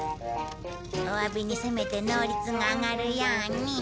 お詫びにせめて能率が上がるように。